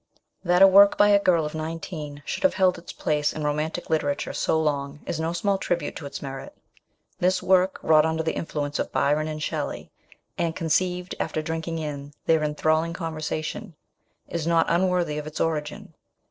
THAT a work by a girl of nineteen should have held its place in romantic literature so long is no small tribute to its merit ; this work, wrought under the influence of Byron and Shelley, and conceived after drinking in their enthralling conversation, is not unworthy of its origin.